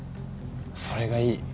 それがいい。